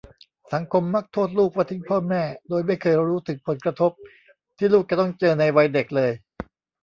สังคมมักโทษลูกว่าทิ้งพ่อแม่ โดยไม่เคยรู้ถึงผลกระทบที่ลูกจะต้องเจอในวัยเด็กเลย